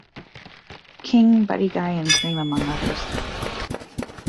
King, Buddy Guy and Cream among others.